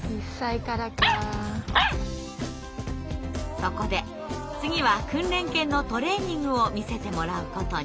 そこで次は訓練犬のトレーニングを見せてもらうことに。